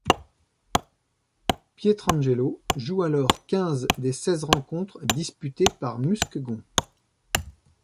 Pietrangelo joue alors quinze des seize rencontres disputées par Muskegon.